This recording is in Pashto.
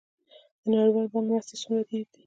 د نړیوال بانک مرستې څومره دي؟